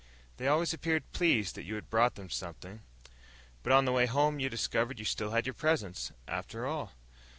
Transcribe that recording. They always appeared pleased that you brought them something. But on the way home you discovered you still had your presents, after all.